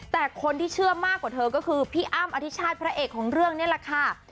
แต่คนที่เชื่อมากกว่าเธอก็คือพี่อ้ำอธิชาติพระเอกของเรื่องนี่แหละค่ะ